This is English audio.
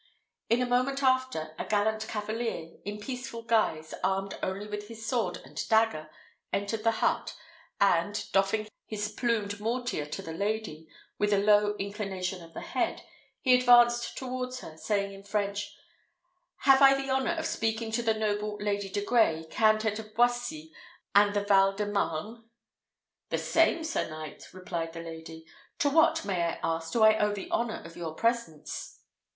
In a moment after, a gallant cavalier, in peaceful guise, armed only with his sword and dagger, entered the hut, and, doffing his plumed mortier to the lady, with a low inclination of the head, he advanced towards her, saying in French, "Have I the honour of speaking to the noble Lady de Grey, Countess of Boissy and the Val de Marne?" "The same, sir knight," replied the lady. "To what, may I ask, do I owe the honour of your presence?"